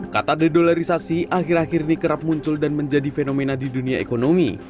kata dedolarisasi akhir akhir ini kerap muncul dan menjadi fenomena di dunia ekonomi